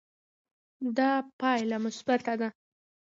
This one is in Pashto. ایا پایله مثبته ده؟